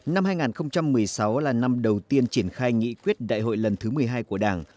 năm hai nghìn một mươi sáu là năm đầu tiên triển khai nghị quyết đại hội lần thứ một mươi hai của đảng